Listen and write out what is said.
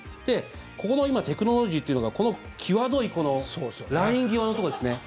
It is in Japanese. ここの今、テクノロジーというのがこの際どいライン際のところですね。